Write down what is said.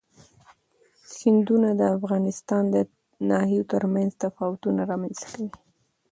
سیندونه د افغانستان د ناحیو ترمنځ تفاوتونه رامنځ ته کوي.